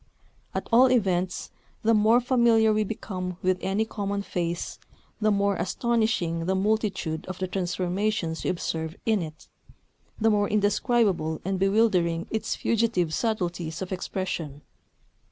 At all events, the more familiar we become with any common face, the more astonishing the multitude of the transformations we observe in it, the more indescribable and bewildering its fugitive subtleties of expression.